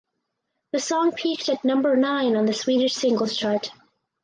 The song peaked at number nine on the Swedish Singles Chart.